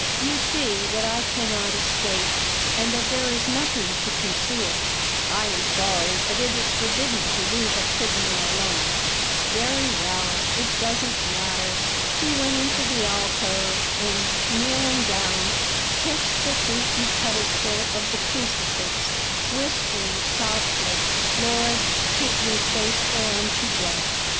"You see that I cannot escape and that there is nothing to conceal." "I am sorry, but it is forbidden to leave a prisoner alone." "Very well, it doesn't matter." He went into the alcove, and, kneeling down, kissed the feet and pedestal of the crucifix, whispering softly: "Lord, keep me faithful unto death."